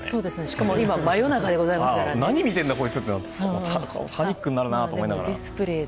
しかも今、真夜中でございますから。何を見てるんだってパニックになるなと思いながら。